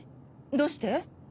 どうして？